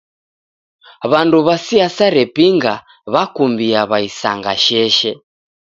W'andu w'a siasa repinga w'akumbia w'aisanga sheshe.